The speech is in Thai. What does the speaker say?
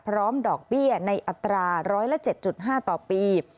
ดอกเบี้ยในอัตรา๑๐๗๕ต่อปี